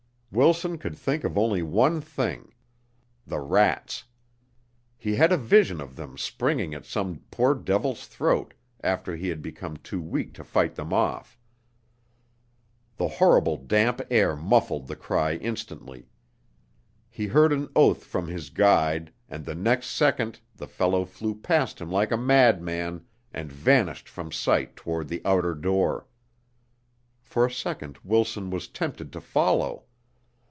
Wilson could think of only one thing, the rats. He had a vision of them springing at some poor devil's throat after he had become too weak to fight them off. The horrible damp air muffled the cry instantly. He heard an oath from his guide and the next second the fellow flew past him like a madman and vanished from sight toward the outer door. For a second Wilson was tempted to follow.